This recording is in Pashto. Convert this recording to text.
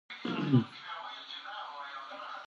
هندوکش د معیشت یوه لویه سرچینه ده.